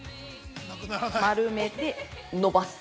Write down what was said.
丸めて伸ばす。